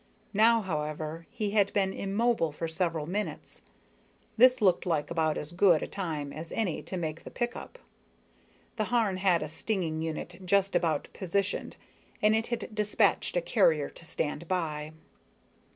Now, however, he had been immobile for several minutes. This looked like about as good a time as any to make the pickup. The Harn had a stinging unit just about positioned, and it had dispatched a carrier to stand by.